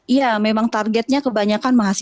iya memang targetnya kebanyakan mahasiswa